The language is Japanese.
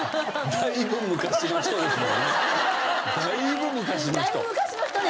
だいぶ昔の人ですね。